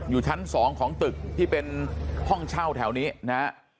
อยู่ชั้น๒ของตึกที่เป็นห้องเช่าแถวนี้นะฮะ